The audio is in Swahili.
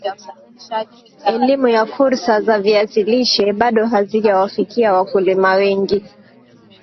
Elimu ya fursa za viazi lishe bado hazija wafikia wakulima wengi